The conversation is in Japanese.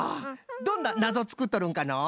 どんななぞつくっとるんかのう？